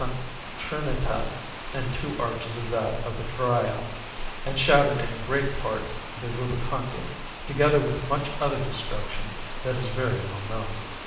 Trinita and two arches of that of the Carraia, and shattered in great part the Rubaconte, together with much other destruction that is very well known.